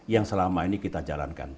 yang selama ini kita jalankan